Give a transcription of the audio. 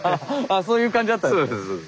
あそういう感じだったんですね。